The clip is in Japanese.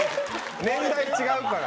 年代違うから。